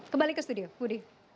kembali ke studio budi